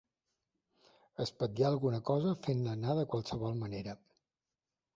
Espatllar alguna cosa fent-la anar de qualsevol manera.